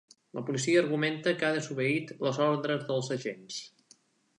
La policia argumenta que ha desobeït les ordres dels agents.